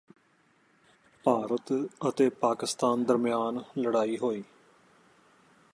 ਭਾਰਤ ਅਤੇ ਪਾਕਿਸਤਾਨ ਦਰਮਿਆਨ ਲੜਾਈ ਹੋਈ